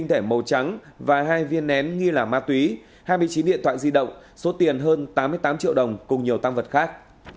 trắng và hai viên nén nghi là ma túy hai mươi chín điện thoại di động số tiền hơn tám mươi tám triệu đồng cùng nhiều tăng vật khác